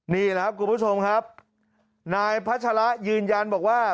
นี่ล่ะครับคุณผู้ชมนายพระฉระยืนยันบอกว่า